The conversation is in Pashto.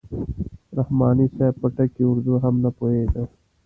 رحماني صاحب په ټکي اردو هم نه پوهېده.